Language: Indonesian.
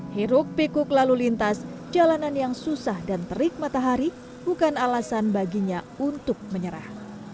hiruk pikuk lalu lintas jalanan yang susah dan terik matahari bukan alasan baginya untuk menyerah